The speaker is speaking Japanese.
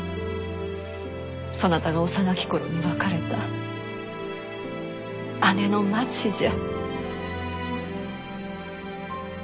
そなたが幼き頃に別れた姉の町じゃ。